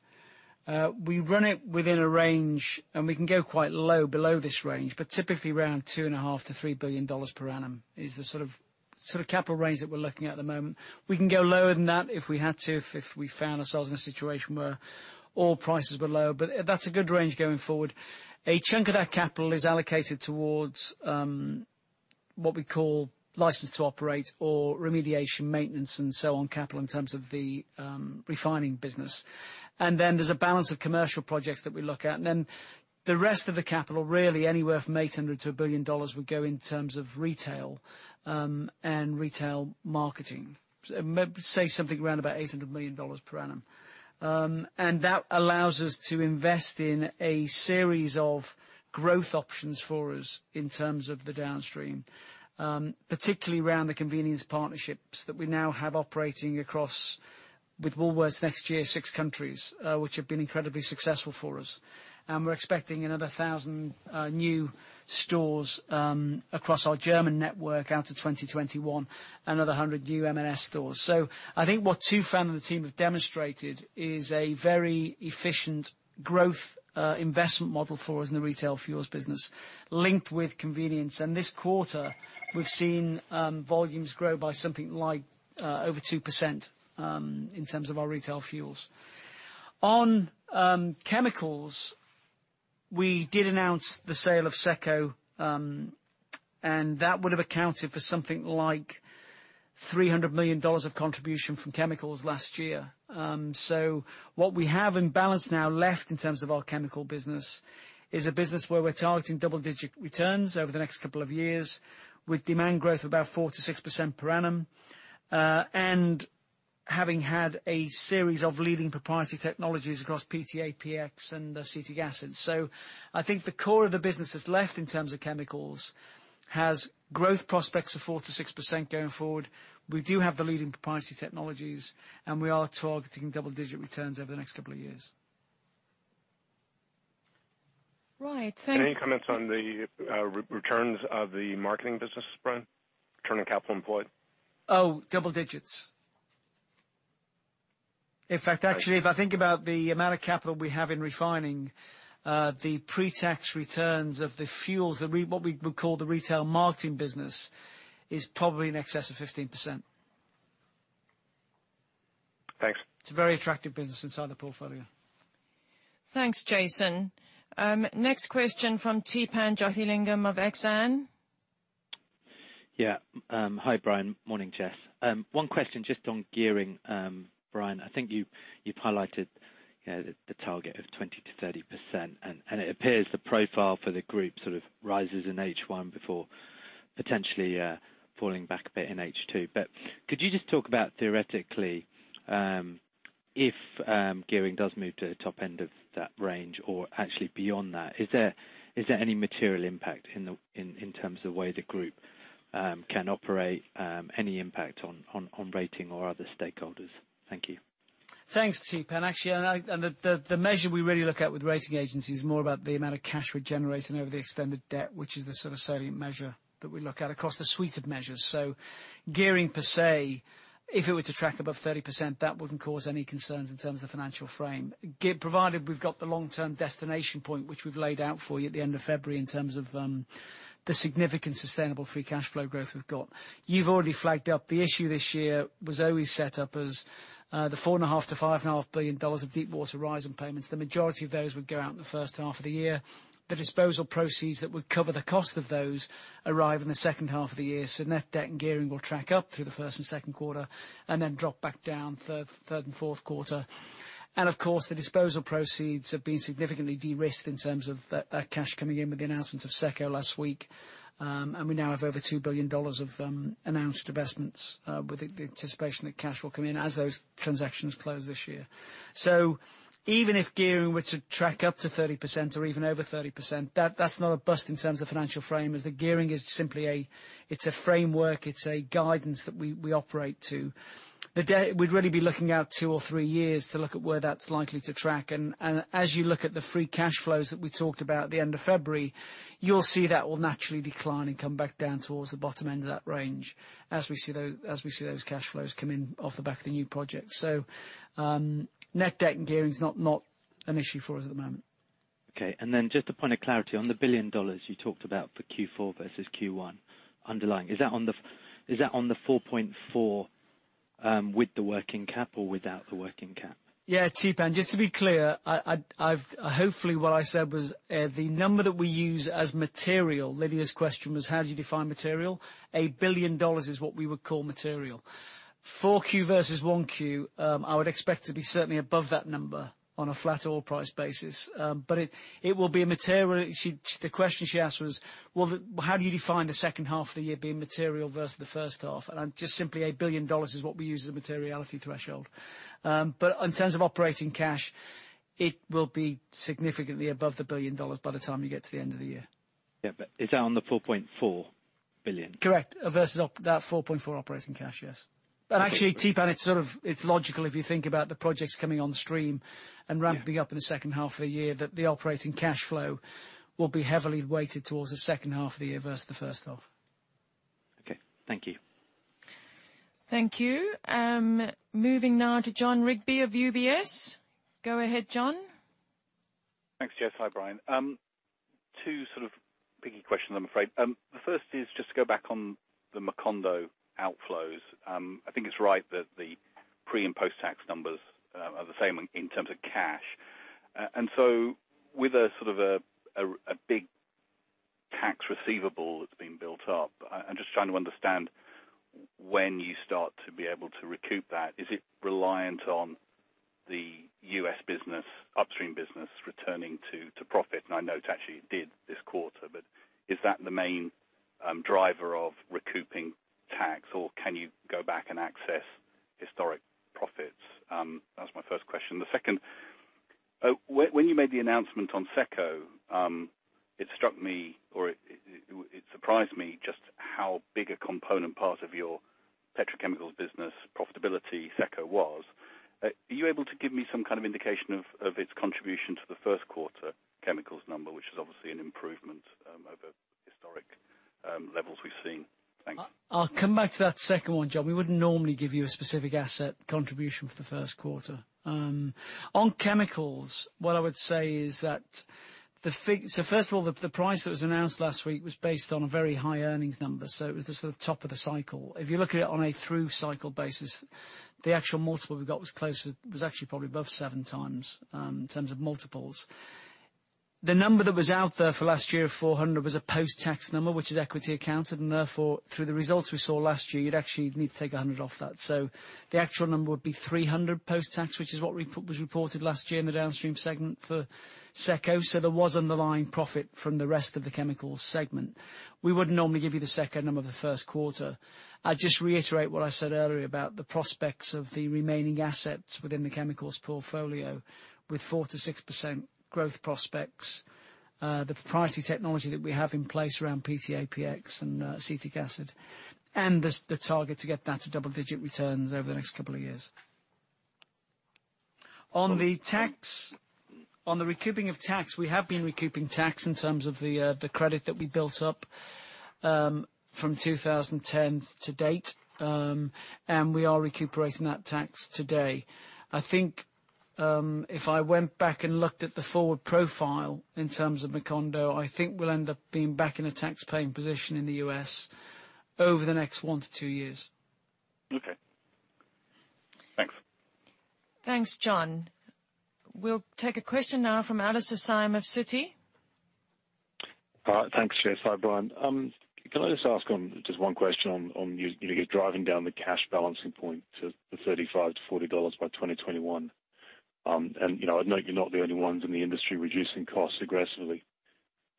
we run it within a range, and we can go quite low below this range, but typically around $2.5 billion-$3 billion per annum is the sort of capital range that we're looking at the moment. We can go lower than that if we had to, if we found ourselves in a situation where oil prices were low. That's a good range going forward. A chunk of that capital is allocated towards what we call license to operate or remediation maintenance and so on capital in terms of the refining business. Then there's a balance of commercial projects that we look at. Then the rest of the capital, really anywhere from $800 million-$1 billion, would go in terms of retail and retail marketing. Say something around about $800 million per annum. That allows us to invest in a series of growth options for us in terms of the Downstream, particularly around the convenience partnerships that we now have operating across, with Woolworths next year, six countries, which have been incredibly successful for us. We're expecting another 1,000 new stores across our German network out to 2021, another 100 new M&S stores. I think what Tufan and the team have demonstrated is a very efficient growth investment model for us in the retail fuels business, linked with convenience. This quarter, we've seen volumes grow by something like over 2% in terms of our retail fuels. On chemicals, we did announce the sale of SECCO, and that would have accounted for something like $300 million of contribution from chemicals last year. What we have in balance now left in terms of our chemical business is a business where we're targeting double-digit returns over the next couple of years, with demand growth of about 4%-6% per annum. Having had a series of leading proprietary technologies across PTA, PX and acetic acids. I think the core of the business that's left in terms of chemicals has growth prospects of 4%-6% going forward. We do have the leading proprietary technologies. We are targeting double-digit returns over the next couple of years. Right. Any comments on the returns of the marketing business, Brian? Return on capital employed? Oh, double digits. In fact, actually, if I think about the amount of capital we have in refining, the pre-tax returns of the fuels, what we would call the retail marketing business, is probably in excess of 15%. Thanks. It's a very attractive business inside the portfolio. Thanks, Jason. Next question from Theepan Jothilingam of Exane. Yeah. Hi, Brian. Morning, Jess. One question just on gearing, Brian. I think you've highlighted the target of 20%-30%, it appears the profile for the group sort of rises in H1 before potentially falling back a bit in H2. Could you just talk about theoretically, if gearing does move to the top end of that range or actually beyond that, is there any material impact in terms of the way the group can operate? Any impact on rating or other stakeholders? Thank you. Thanks, Theepan. Actually, the measure we really look at with rating agencies is more about the amount of cash we're generating over the extended debt, which is the sort of salient measure that we look at across the suite of measures. Gearing per se, if it were to track above 30%, that wouldn't cause any concerns in terms of financial frame. Provided we've got the long-term destination point, which we've laid out for you at the end of February in terms of the significant sustainable free cash flow growth we've got. You've already flagged up the issue this year was always set up as the $4.5 billion-$5.5 billion of Deepwater Horizon payments. The majority of those would go out in the first half of the year. The disposal proceeds that would cover the cost of those arrive in the second half of the year. Net debt and gearing will track up through the first and second quarter and then drop back down third and fourth quarter. Of course, the disposal proceeds have been significantly de-risked in terms of cash coming in with the announcement of SECCO last week. We now have over $2 billion of announced divestments with the anticipation that cash will come in as those transactions close this year. Even if gearing were to track up to 30% or even over 30%, that's not a bust in terms of financial frame, as the gearing is simply a framework, it's a guidance that we operate to. The debt, we'd really be looking out two or three years to look at where that's likely to track. As you look at the free cash flows that we talked about at the end of February, you'll see that will naturally decline and come back down towards the bottom end of that range as we see those cash flows come in off the back of the new project. Net debt and gearing is not an issue for us at the moment. Okay. Just a point of clarity. On the $1 billion you talked about for Q4 versus Q1 underlying, is that on the $4.4 with the working cap or without the working cap? Yeah, Theepan, just to be clear, hopefully what I said was the number that we use as material. Lydia's question was how do you define material? $1 billion is what we would call material. 4Q versus 1Q, I would expect to be certainly above that number on a flat oil price basis. The question she asked was, well, how do you define the second half of the year being material versus the first half? Just simply $1 billion is what we use as a materiality threshold. In terms of operating cash, it will be significantly above the $1 billion by the time you get to the end of the year. Yeah. Is that on the $4.4 billion? Correct. Versus that $4.4 operating cash, yes. Actually, Theepan, it's logical if you think about the projects coming on stream and ramping up in the second half of the year, that the operating cash flow will be heavily weighted towards the second half of the year versus the first half. Okay. Thank you. Thank you. Moving now to Jon Rigby of UBS. Go ahead, Jon. Thanks, Jess. Hi, Brian. Two sort of picky questions, I'm afraid. The first is just go back on the Macondo outflows. I think it's right that the pre- and post-tax numbers are the same in terms of cash. So with a big tax receivable that's been built up, I'm just trying to understand when you start to be able to recoup that. Is it reliant on the U.S. business, upstream business, returning to profit? I know it actually did this quarter, but is that the main driver of recouping tax, or can you go back and access historic profits? That was my first question. The second, when you made the announcement on SECCO, it struck me or it surprised me just how big a component part of your petrochemical business profitability SECCO was. Are you able to give me some kind of indication of its contribution to the first quarter chemicals number, which is obviously an improvement over historic levels we've seen? Thanks. I'll come back to that second one, Jon. We wouldn't normally give you a specific asset contribution for the first quarter. On chemicals, what I would say is that, First of all, the price that was announced last week was based on a very high earnings number, so it was the sort of top of the cycle. If you're looking at it on a through cycle basis, the actual multiple we got was actually probably above seven times, in terms of multiples. The number that was out there for last year of $400 million was a post-tax number, which is equity accounted. Therefore, through the results we saw last year, you'd actually need to take $100 million off that. The actual number would be $300 million post-tax, which is what was reported last year in the downstream segment for SECCO. There was underlying profit from the rest of the chemicals segment. We wouldn't normally give you the SECCO number of the first quarter. I'd just reiterate what I said earlier about the prospects of the remaining assets within the chemicals portfolio with 4%-6% growth prospects. The proprietary technology that we have in place around PTA, PX, and acetic acid, and the target to get that to double-digit returns over the next couple of years. On the recouping of tax, we have been recouping tax in terms of the credit that we built up, from 2010 to date. We are recuperating that tax today. I think, if I went back and looked at the forward profile in terms of Macondo, I think we'll end up being back in a tax-paying position in the U.S. over the next one to two years. Okay. Thanks. Thanks, Jon. We'll take a question now from Alastair Syme of Citi. Thanks, Jess. Hi, Brian. Can I just ask on just one question on you driving down the cash balancing point to the $35-$40 by 2021. I know you're not the only ones in the industry reducing costs aggressively.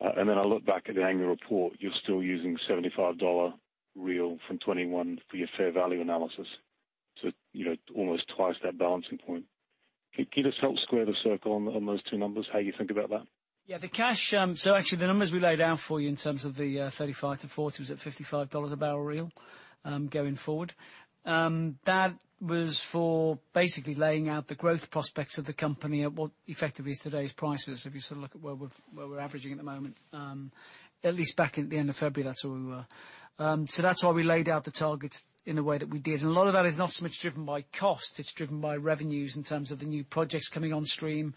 Then I look back at the annual report, you're still using $75 real from 2021 for your fair value analysis to almost twice that balancing point. Can you just help square the circle on those two numbers, how you think about that? Yeah. Actually, the numbers we laid out for you in terms of the $35-$40 was at $55 a barrel real, going forward. That was for basically laying out the growth prospects of the company at what effectively is today's prices. If you sort of look at where we're averaging at the moment. At least back at the end of February, that's where we were. That's why we laid out the targets in the way that we did. A lot of that is not so much driven by cost, it's driven by revenues in terms of the new projects coming on stream,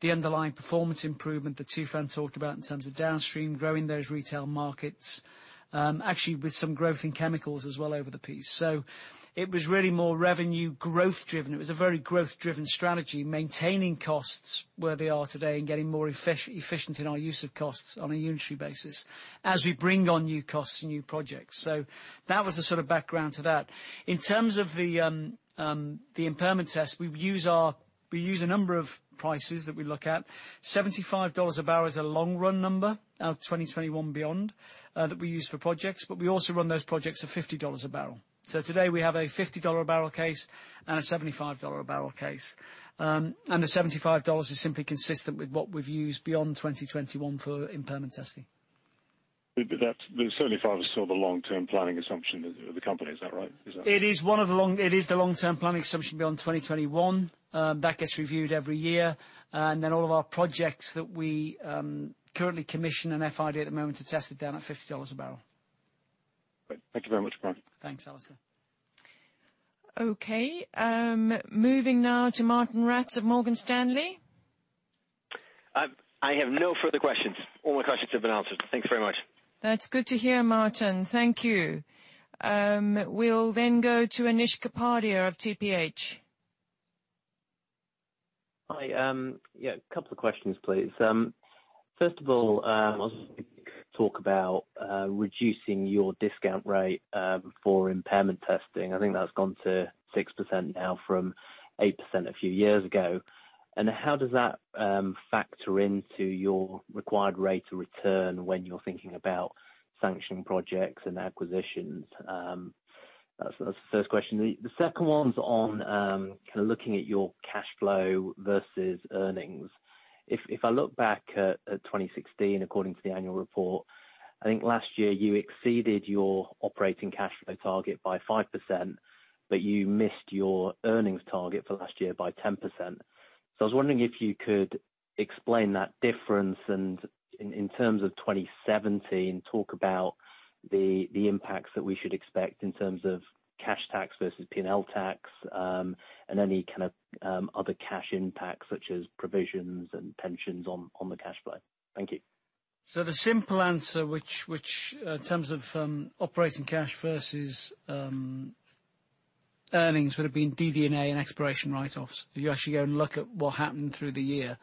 the underlying performance improvement that Tufan talked about in terms of Downstream, growing those retail markets. Actually, with some growth in chemicals as well over the piece. It was really more revenue growth driven. It was a very growth-driven strategy, maintaining costs where they are today and getting more efficient in our use of costs on a unitary basis as we bring on new costs and new projects. That was the sort of background to that. In terms of the impairment test, we use a number of prices that we look at. $75 a barrel is a long run number, out of 2021 beyond, that we use for projects, but we also run those projects at $50 a barrel. Today we have a $50 a barrel case and a $75 a barrel case. The $75 is simply consistent with what we've used beyond 2021 for impairment testing. That's certainly far still the long-term planning assumption of the company, is that right? It is the long-term planning assumption beyond 2021. That gets reviewed every year. All of our projects that we currently commission and FID at the moment are tested down at $50 a barrel. Great. Thank you very much, Brian. Thanks, Alastair. Okay. Moving now to Martijn Rats of Morgan Stanley. I have no further questions. All my questions have been answered. Thank you very much. That's good to hear, Martijn. Thank you. We'll go to Anish Kapadia of TPH. Hi. A couple of questions, please. First of all, I want to talk about reducing your discount rate for impairment testing. I think that's gone to 6% now from 8% a few years ago. How does that factor into your required rate of return when you're thinking about sanction projects and acquisitions? That's the first question. The second one's on looking at your cash flow versus earnings. If I look back at 2016, according to the annual report, I think last year you exceeded your operating cash flow target by 5%, but you missed your earnings target for last year by 10%. I was wondering if you could explain that difference, and in terms of 2017, talk about the impacts that we should expect in terms of cash tax versus P&L tax, and any kind of other cash impacts such as provisions and pensions on the cash flow. Thank you. The simple answer, which in terms of operating cash versus earnings, would have been DD&A and exploration write-offs. If you actually go and look at what happened through the year.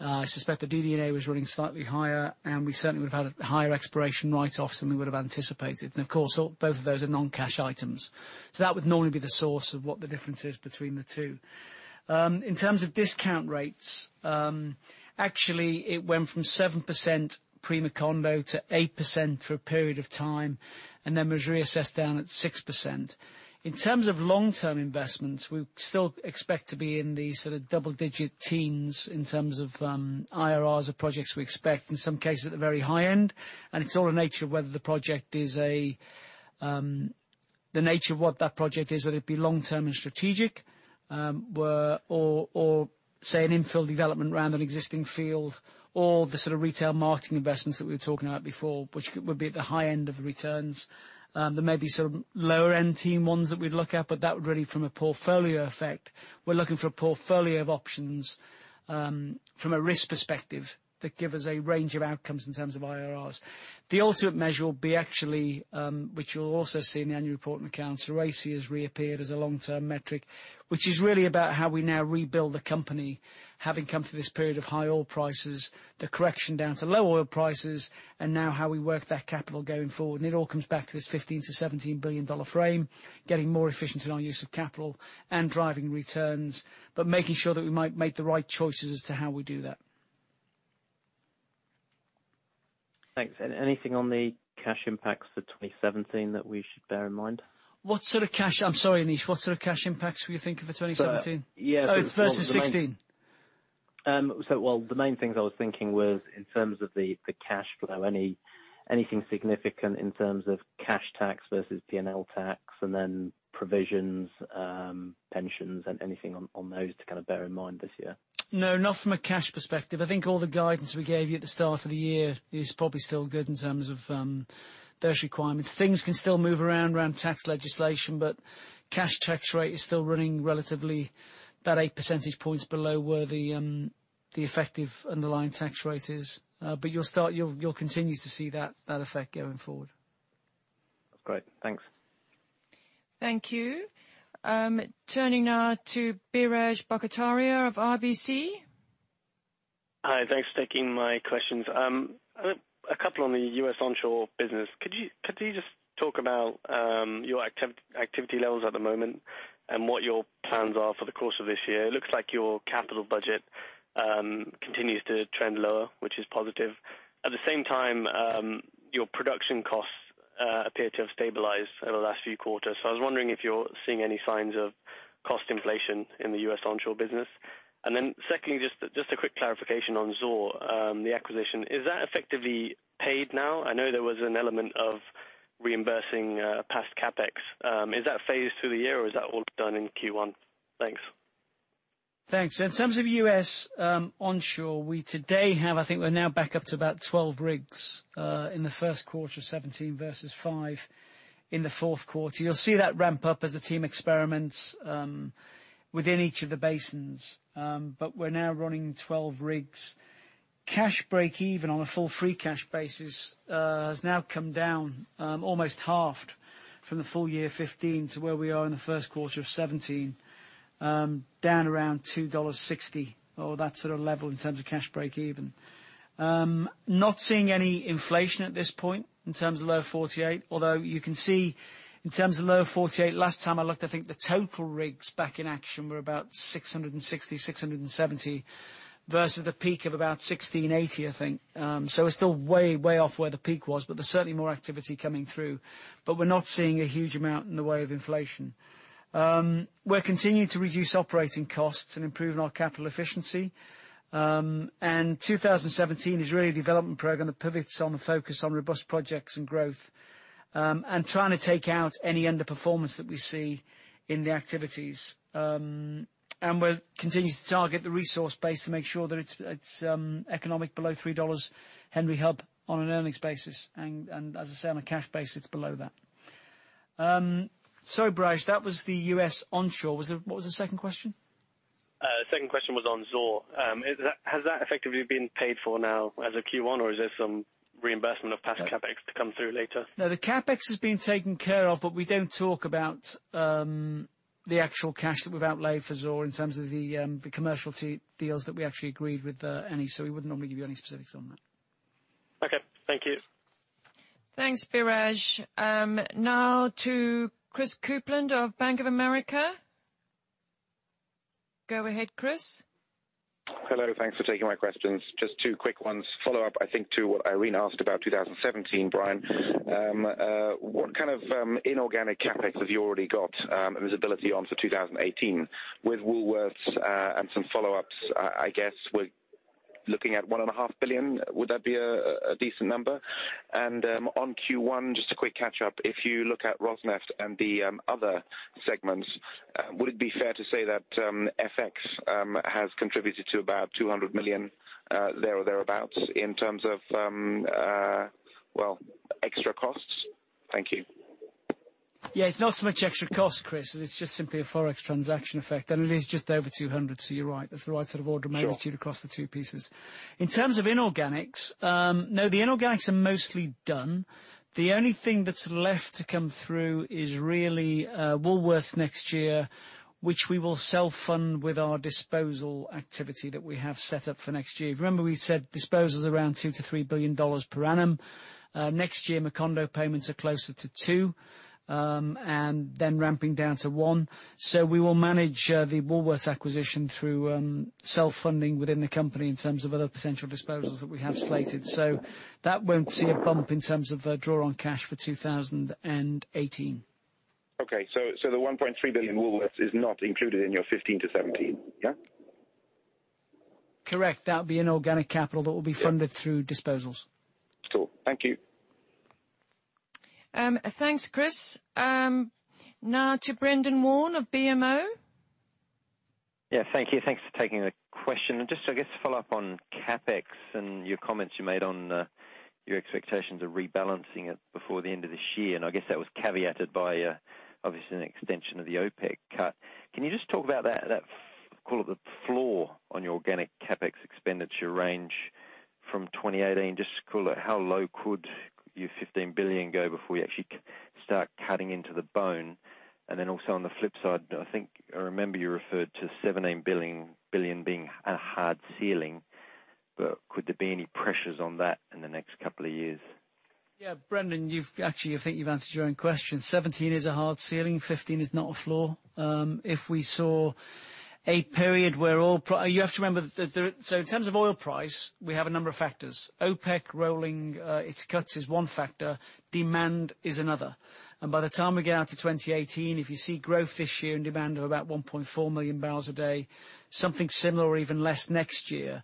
I suspect the DD&A was running slightly higher, and we certainly would've had higher exploration write-offs than we would've anticipated. Of course, both of those are non-cash items. That would normally be the source of what the difference is between the two. In terms of discount rates, actually it went from 7% pre Macondo to 8% for a period of time, and then was reassessed down at 6%. In terms of long-term investments, we still expect to be in the double-digit teens in terms of IRRs of projects we expect, in some cases at the very high end. It's all in nature of what that project is, whether it be long-term and strategic, or say an infill development around an existing field, or the sort of retail marketing investments that we were talking about before, which would be at the high end of the returns. There may be some lower-end teen ones that we'd look at, but that would really from a portfolio effect. We're looking for a portfolio of options from a risk perspective that give us a range of outcomes in terms of IRRs. The ultimate measure will be actually, which you'll also see in the annual report and accounts, ROACE has reappeared as a long-term metric, which is really about how we now rebuild the company having come through this period of high oil prices, the correction down to low oil prices, and now how we work that capital going forward. It all comes back to this $15 billion-$17 billion frame, getting more efficient in our use of capital and driving returns, but making sure that we make the right choices as to how we do that. Thanks. Anything on the cash impacts for 2017 that we should bear in mind? I'm sorry, Anish, what sort of cash impacts were you thinking for 2017? Yeah. Oh, versus 2016. Well, the main things I was thinking was in terms of the cash flow. Anything significant in terms of cash tax versus P&L tax, and then provisions, pensions, and anything on those to bear in mind this year? No, not from a cash perspective. I think all the guidance we gave you at the start of the year is probably still good in terms of those requirements. Things can still move around tax legislation, cash tax rate is still running relatively about eight percentage points below where the effective underlying tax rate is. You'll continue to see that effect going forward. Great. Thanks. Thank you. Turning now to Biraj Borkhataria of RBC. Hi. Thanks for taking my questions. A couple on the U.S. onshore business. Could you just talk about your activity levels at the moment, and what your plans are for the course of this year? It looks like your capital budget continues to trend lower, which is positive. At the same time, your production costs appear to have stabilized over the last few quarters. I was wondering if you're seeing any signs of cost inflation in the U.S. onshore business. Secondly, just a quick clarification on Zohr, the acquisition. Is that effectively paid now? I know there was an element of reimbursing past CapEx. Is that phased through the year or is that all done in Q1? Thanks. Thanks. In terms of U.S. onshore, we today have, I think we're now back up to about 12 rigs, in the first quarter of 2017 versus five in the fourth quarter. You'll see that ramp up as the team experiments within each of the basins. We're now running 12 rigs. Cash breakeven on a full free cash basis has now come down, almost halved from the full year of 2015 to where we are in the first quarter of 2017, down around $2.60 or that sort of level in terms of cash breakeven. Not seeing any inflation at this point in terms of Lower 48, although you can see in terms of Lower 48, last time I looked, I think the total rigs back in action were about 660, 670 versus the peak of about 1,680, I think. We're still way off where the peak was, but there's certainly more activity coming through. We're not seeing a huge amount in the way of inflation. We're continuing to reduce operating costs and improving our capital efficiency. 2017 is really a development program that pivots on the focus on robust projects and growth, and trying to take out any underperformance that we see in the activities. We'll continue to target the resource base to make sure that it's economic below $3 Henry Hub on an earnings basis. As I say, on a cash basis, it's below that. Sorry Biraj, that was the U.S. onshore. What was the second question? The second question was on Zohr. Has that effectively been paid for now as of Q1, or is there some reimbursement of past CapEx to come through later? No, the CapEx has been taken care of, but we don't talk about the actual cash that we've outlayed for Zohr in terms of the commercial deals that we actually agreed with Eni, so we wouldn't normally give you any specifics on that. Okay. Thank you. Thanks, Biraj. Now to Christopher Kuplent of Bank of America. Go ahead, Chris. Hello. Thanks for taking my questions. Just two quick ones. Follow-up, I think to what Irene asked about 2017, Brian. What kind of inorganic CapEx have you already got visibility on for 2018? With Woolworths, and some follow-ups, I guess we're looking at $1.5 billion. Would that be a decent number? On Q1, just a quick catch-up. If you look at Rosneft and the other segments, would it be fair to say that FX has contributed to about $200 million there or thereabouts in terms of extra costs? Thank you. It's not so much extra cost, Chris. It's just simply a Forex transaction effect. It is just over 200, so you're right. That's the right sort of order of magnitude across the two pieces. In terms of inorganics, the inorganics are mostly done. The only thing that's left to come through is really Woolworths next year, which we will self-fund with our disposal activity that we have set up for next year. Remember we said disposals around $2 billion-$3 billion per annum. Next year, Macondo payments are closer to two, and then ramping down to one. We will manage the Woolworths acquisition through self-funding within the company in terms of other potential disposals that we have slated. That won't see a bump in terms of draw on cash for 2018. Okay. The $1.3 billion Woolworths is not included in your $15 billion-$17 billion, yeah? Correct. That would be inorganic capital that will be funded through disposals. Cool. Thank you. Thanks, Chris. Now to Brendan Warne of BMO. Yeah, thank you. Thanks for taking the question. Just to follow up on CapEx and your comments you made on your expectations of rebalancing it before the end of this year, and I guess that was caveated by obviously an extension of the OPEC cut. Can you just talk about that, call it the floor, on your organic CapEx expenditure range from 2018? Just call it how low could your $15 billion go before you actually start cutting into the bone? Then also on the flip side, I think I remember you referred to $17 billion being a hard ceiling. Could there be any pressures on that in the next couple of years? Yeah. Brendan, I think you've answered your own question. 17 is a hard ceiling, 15 is not a floor. You have to remember, in terms of oil price, we have a number of factors. OPEC rolling its cuts is one factor, demand is another. By the time we get out to 2018, if you see growth this year in demand of about 1.4 million barrels a day, something similar or even less next year,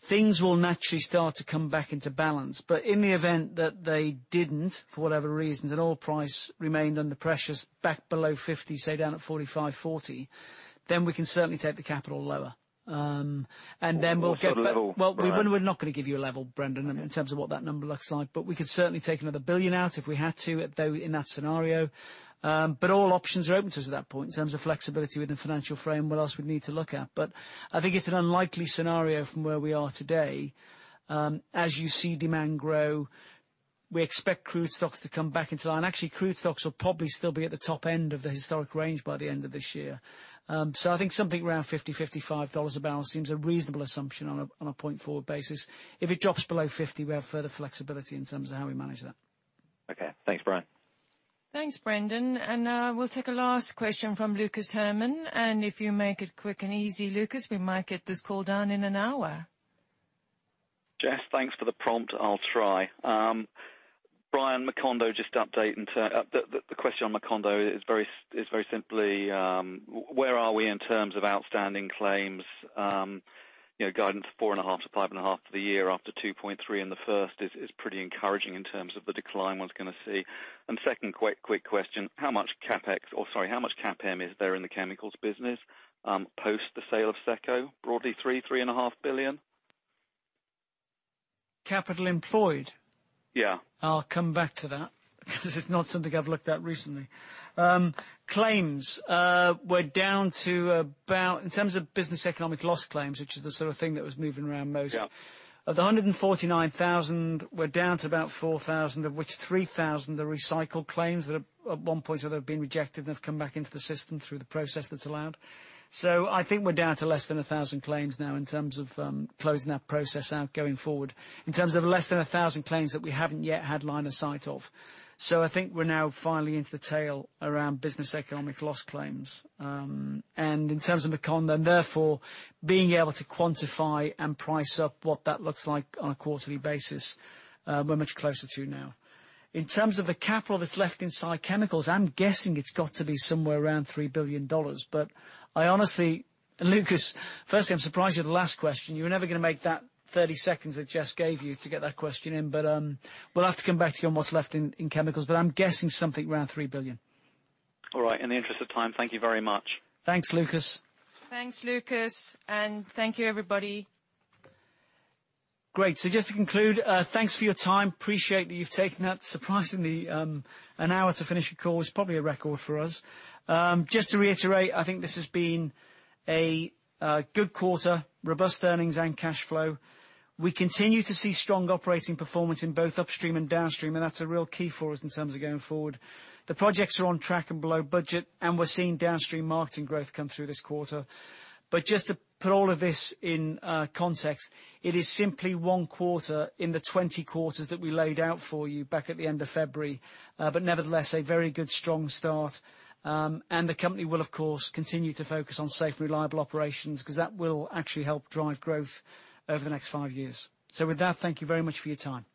things will naturally start to come back into balance. In the event that they didn't, for whatever reasons, and oil price remained under pressures back below 50, say down at 45, 40, we can certainly take the capital lower. We'll get- What's the level? Well, we're not going to give you a level, Brendan, in terms of what that number looks like. We could certainly take another billion out if we had to in that scenario. All options are open to us at that point in terms of flexibility within financial frame, what else we'd need to look at. I think it's an unlikely scenario from where we are today. As you see demand grow, we expect crude stocks to come back into line. Actually, crude stocks will probably still be at the top end of the historic range by the end of this year. I think something around $50, $55 a barrel seems a reasonable assumption on a point forward basis. If it drops below 50, we have further flexibility in terms of how we manage that. Okay. Thanks, Brian. Thanks, Brendan. We'll take a last question from Lucas Herrmann. If you make it quick and easy, Lucas, we might get this call down in an hour. Jess, thanks for the prompt. I'll try. Brian, Macondo, just update. The question on Macondo is very simply, where are we in terms of outstanding claims? Guidance of $4.5 billion-$5.5 billion For the year after $2.3 billion in the first is pretty encouraging in terms of the decline one's going to see. Second quick question, how much CapEx, or sorry, how much CapEm is there in the chemicals business, post the sale of SECCO? Broadly $3 billion, $3.5 billion? Capital employed? Yeah. I'll come back to that. It's not something I've looked at recently. Claims. We're down to about, in terms of business economic loss claims, which is the sort of thing that was moving around most. Yeah. Of the 149,000, we're down to about 4,000, of which 3,000 are recycled claims that at one point or other have been rejected and have come back into the system through the process that's allowed. I think we're down to less than 1,000 claims now in terms of closing that process out going forward, in terms of less than 1,000 claims that we haven't yet had line of sight of. I think we're now finally into the tail around business economic loss claims. In terms of Macondo, and therefore being able to quantify and price up what that looks like on a quarterly basis, we're much closer to now. In terms of the capital that's left inside chemicals, I'm guessing it's got to be somewhere around $3 billion. I honestly, Lucas, firstly, I'm surprised you're the last question. You were never going to make that 30 seconds that Jess gave you to get that question in. We'll have to come back to you on what's left in chemicals, but I'm guessing something around $3 billion. All right. In the interest of time, thank you very much. Thanks, Lucas. Thanks, Lucas. Thank you, everybody. Great. Just to conclude, thanks for your time. Appreciate that you've taken surprisingly an hour to finish a call. It's probably a record for us. Just to reiterate, I think this has been a good quarter. Robust earnings and cash flow. We continue to see strong operating performance in both upstream and downstream, and that's a real key for us in terms of going forward. The projects are on track and below budget, and we're seeing downstream marketing growth come through this quarter. Just to put all of this in context, it is simply one quarter in the 20 quarters that we laid out for you back at the end of February. Nevertheless, a very good strong start. The company will, of course, continue to focus on safe and reliable operations, because that will actually help drive growth over the next five years. With that, thank you very much for your time.